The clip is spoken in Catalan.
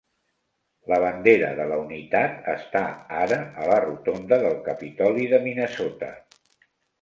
La bandera de la unitat està ara a la rotonda del Capitoli de Minnesota.